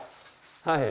はい。